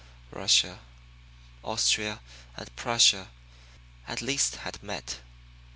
Russia, Austria and Prussia at least had met.